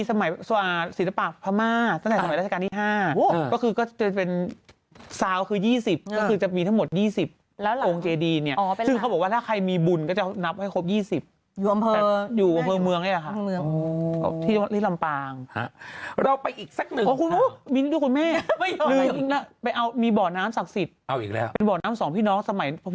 สมัยศรีศภาพพระม่าตั้งแต่สมัยราชการที่๕ก็คือก็จะเป็นซาวคือ๒๐ก็คือจะมีทั้งหมด๒๐โรงเจดีเนี่ยซึ่งเขาบอกว่าถ้าใครมีบุญก็จะนับให้ครบ๒๐อยู่อำเภอเมืองได้หรอคะที่ลำปางเราไปอีกสักหนึ่งมิ้นท์ด้วยคุณแม่ไปเอามีบ่อน้ำศักดิ์สิทธิ์เอาอีกแล้วเป็นบ่อน้ำสองพี่น้องสมัยพ